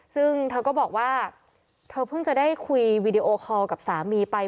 ซึ่งเธอก็บอกว่าเธอเพิ่งจะได้คุยวีดีโอคอลกับสามีไป